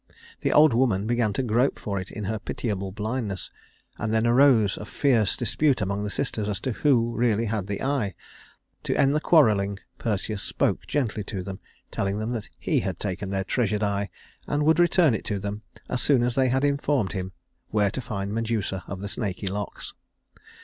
The old woman began to grope for it in her pitiable blindness, and then arose a fierce dispute among the sisters as to who really had the eye. To end the quarreling Perseus spoke gently to them, telling them that he had taken their treasured eye, and would return it to them as soon as they had informed him where to find Medusa of the snaky locks.